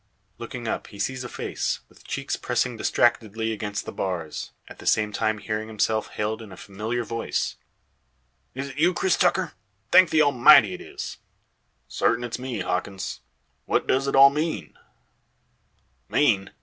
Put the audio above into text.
Looking up he sees a face, with cheeks pressing distractedly against the bars; at the same time hearing himself hailed in a familiar voice. "Is't you, Cris Tucker? Thank the Almighty it is!" "Sartin it's me," Hawkins. "What does it all mean?"